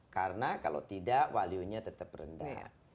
karena kalau tidak value nya tetap rendah